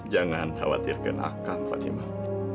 jangan khawatirkan akang fatimah